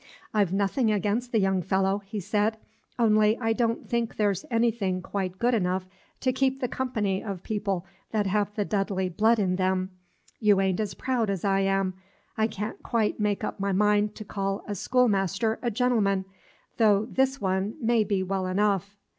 "I've nothing against the young fellow," he said; "only I don't think there's anything quite good enough to keep the company of people that have the Dudley blood in them. You a'n't as proud as I am. I can't quite make up my mind to call a schoolmaster a gentleman, though this one may be well enough.